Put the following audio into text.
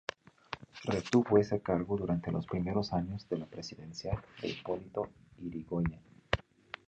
Retuvo ese cargo durante los primeros años de la presidencia de Hipólito Yrigoyen.